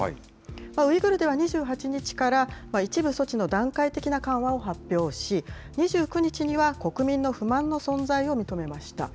ウイグルでは２８日から、一部措置の段階的な緩和を発表し、２９日には、国民の不満の存在を認めました。